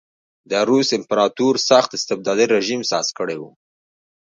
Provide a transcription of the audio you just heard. د روس امپراتور سخت استبدادي رژیم ساز کړی و.